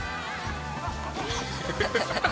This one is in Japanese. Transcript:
「ハハハハ！